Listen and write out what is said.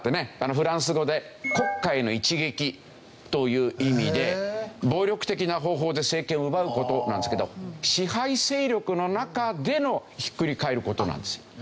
フランス語で「国家への一撃」という意味で暴力的な方法で政権を奪う事なんですけど支配勢力の中でのひっくり返る事なんですよ。